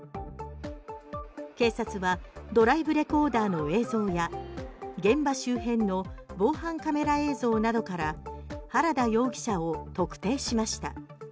警察はドライブレコーダーの映像や現場周辺の防犯カメラ映像などから原田容疑者を特定しました。